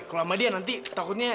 kalau sama dia nanti takutnya